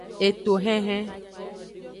Etohenhen.